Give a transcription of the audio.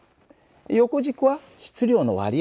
横軸は質量の割合だよ。